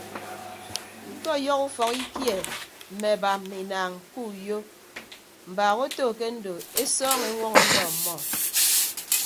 Ke ọyọhọ ufọk ikie mme aba mme inaañ ke uyo mbaak oto ke ndo esọọñọ eñwọñọ ndọ ọmmọ.